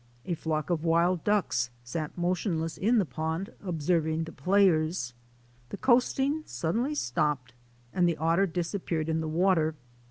A flock of wild ducks sat motionless in the pond observing the players. The coasting suddenly stopped and the otter disappeared in the water.